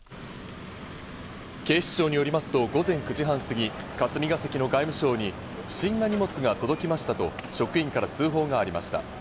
警視庁によりますと午前９時半過ぎ、霞が関の外務省に不審な荷物が届きましたと職員から通報がありました。